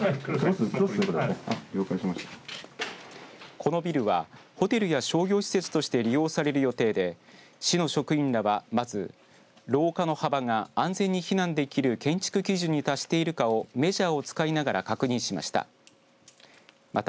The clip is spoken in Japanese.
このビルはホテルや商業施設として利用される予定で市の職員らはまず、廊下の幅が安全に避難できる建築基準に達しているかをメジャーを使いながら確認をしました。